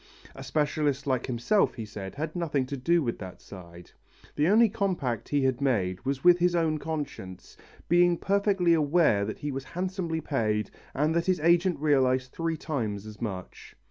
A specialist like himself, he said, had nothing to do with that side. The only compact he had made was with his own conscience, being perfectly aware that he was handsomely paid and that his agent realized three times as much.